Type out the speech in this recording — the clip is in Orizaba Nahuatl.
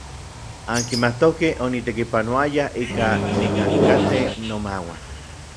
Ankimatokej onitekipanouaya ika nikankatej nomauan.